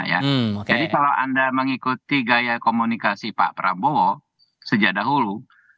jadi kalau anda mengikuti gaya komunikasi pak prabowo sejak dahulu